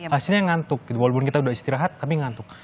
hasilnya ngantuk walaupun kita udah istirahat tapi ngantuk